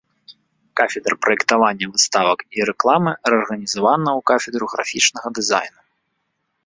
Кафедра праектавання выставак і рэкламы рэарганізавана ў кафедру графічнага дызайну.